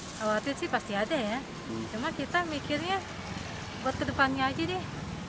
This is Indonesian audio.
awal awal pasti ada ya cuma kita mikirnya buat ke depannya aja deh